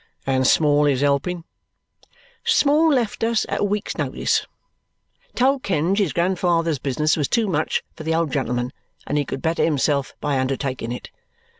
"And Small is helping?" "Small left us at a week's notice. Told Kenge his grandfather's business was too much for the old gentleman and he could better himself by undertaking it.